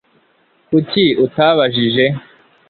kuki utabajije